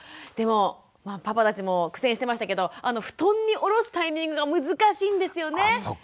でもパパたちも苦戦してましたけど布団に下ろすタイミングが難しいんですよね。